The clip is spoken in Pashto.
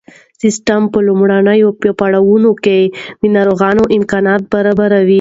سیسټم په لومړیو پړاوونو کې د ناروغۍ امکانات برابروي.